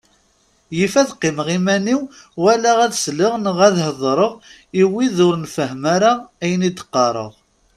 Yif ad qqimeɣ iman-iw wala ad sleɣ neɣ ad heddreɣ i wid ur nfehhem ara ayen d-qqareɣ.